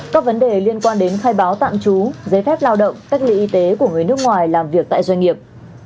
các vấn đề liên quan đến khai báo tạm trú giấy phép lao động cách ly y tế của người nước ngoài làm việc tại doanh nghiệp